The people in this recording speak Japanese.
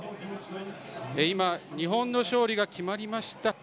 今、日本の勝利が決まりました。